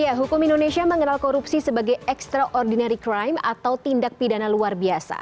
ya hukum indonesia mengenal korupsi sebagai extraordinary crime atau tindak pidana luar biasa